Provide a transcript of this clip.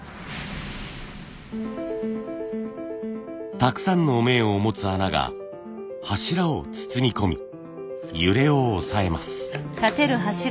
たくさんの面を持つ穴が柱を包み込み揺れを抑えます。